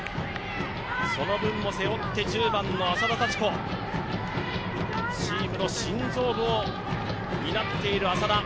その分も背負って１０番の浅田幸子、チームの心臓部を担っている浅田。